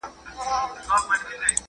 استازي تل د ولسواکۍ لپاره مبارزه کوي.